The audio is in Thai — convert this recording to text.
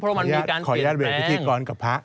เพราะมันมีการเปลี่ยนแปลงขออนุญาตเวทย์พิธีกรกับพระ